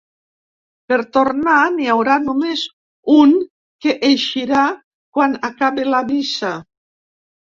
Per a tornar n’hi haurà només un que eixirà quan acabe la missa.